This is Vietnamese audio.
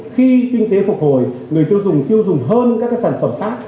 khi kinh tế phục hồi người tiêu dùng tiêu dùng hơn các sản phẩm khác